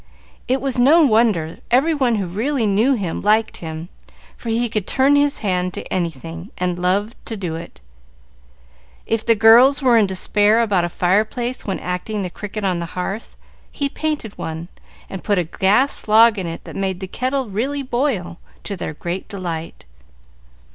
It was no wonder every one who really knew him liked him, for he could turn his hand to anything, and loved to do it. If the girls were in despair about a fire place when acting "The Cricket on the Hearth," he painted one, and put a gas log in it that made the kettle really boil, to their great delight.